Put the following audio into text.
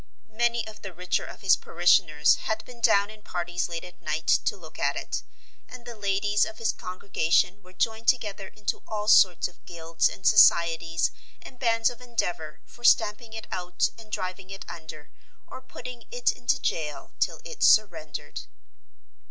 Many of the richer of his parishioners had been down in parties late at night to look at it, and the ladies of his congregation were joined together into all sorts of guilds and societies and bands of endeavour for stamping it out and driving it under or putting it into jail till it surrendered.